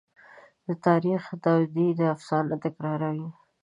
د تاریخ داودي دا افسانه تکراروي.